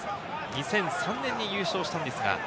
２００３年に優勝したんですか？